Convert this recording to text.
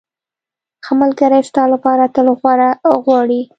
ښه ملګری ستا لپاره تل غوره غواړي.